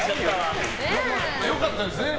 良かったですね。